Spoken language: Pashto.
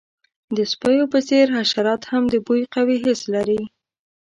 د سپیو په څیر، حشرات هم د بوی قوي حس لري.